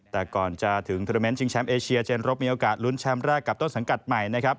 แต่ก่อนจะถึงโทรเมนต์ชิงแชมป์เอเชียเจนรบมีโอกาสลุ้นแชมป์แรกกับต้นสังกัดใหม่นะครับ